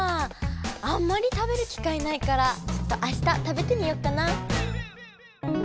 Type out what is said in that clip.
あんまり食べる機会ないからちょっとあした食べてみよっかな！